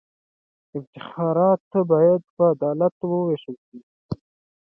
افتخارات باید په عدالت ووېشل سي.